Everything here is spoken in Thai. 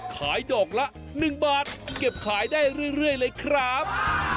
ขายดอกละ๑บาทเก็บขายได้เรื่อยเลยครับ